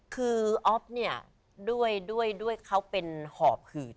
คืออ๊อฟเนี่ยด้วยเขาเป็นหอบหืด